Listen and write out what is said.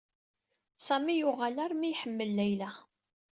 Sami yuɣal armi iḥemmel Layla.